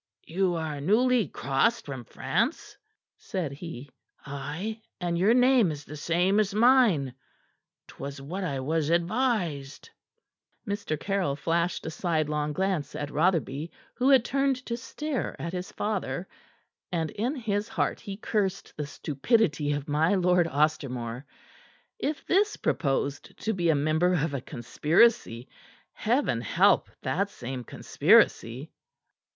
"You are newly crossed from France?" said he. "Ay, and your name is the same as mine. 'Twas what I was advised." Mr. Caryll flashed a sidelong glance at Rotherby, who had turned to stare at his father, and in his heart he cursed the stupidity of my Lord Ostermore. If this proposed to be a member of a conspiracy, Heaven help that same conspiracy!